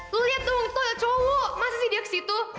lu lihat dong itu ada cowok masa sih dia ke situ